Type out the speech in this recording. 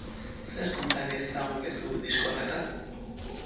Zer konta diezagukezu disko horretaz?